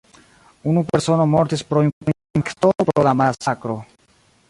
Unu persono mortis pro korinfarkto pro la masakro.